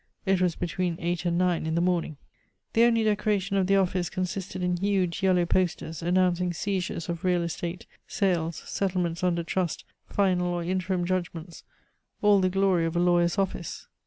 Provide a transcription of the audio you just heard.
It was between eight and nine in the morning. The only decoration of the office consisted in huge yellow posters, announcing seizures of real estate, sales, settlements under trust, final or interim judgments, all the glory of a lawyer's office.